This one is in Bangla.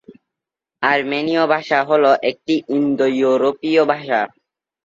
আর্মেনীয় ভাষা হল একটি ইন্দো-ইউরোপীয় ভাষা।